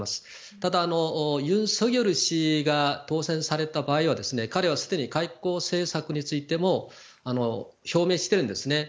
ただ、ユン・ソクヨル氏が当選された場合は彼はすでに外交政策についても表明してるんですね。